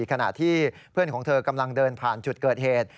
ขณะที่เพื่อนของเธอกำลังเดินผ่านจุดเกิดเหตุ